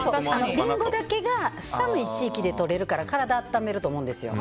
リンゴだけが寒い地域でとれるから体を温めると思うんですよ。